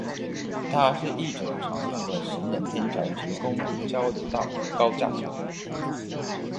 它是一种常用的行人天桥及公路交流道和高架桥。